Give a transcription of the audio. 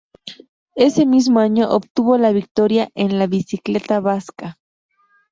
Ese mismo año obtuvo la victoria en la "Bicicleta Vasca".